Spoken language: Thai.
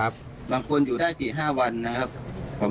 บางคนอยู่ได้เป็นอาทิตย์๕วัน